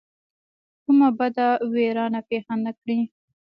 کومه بده ویرانه پېښه نه کړي.